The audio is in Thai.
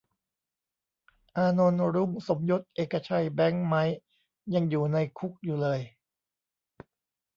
"อานนท์ รุ้ง สมยศ เอกชัย แบงค์ ไมค์ ยังอยู่ในคุกอยู่เลย"